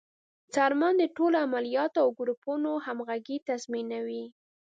څارمن د ټولو عملیاتو او ګروپونو همغږي تضمینوي.